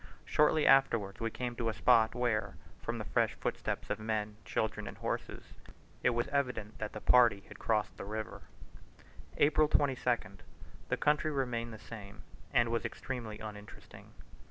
Shortly afterwards we came to a spot where, from the fresh footsteps of men, children, and horses, it was evident that the party had crossed the river. April 22nd. The country remained the same, and was extremely uninteresting.